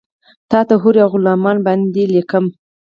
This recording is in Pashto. تاته حورې اوغلمان باندې لیکمه